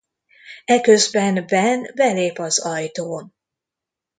Eközben Ben belép az ajtón.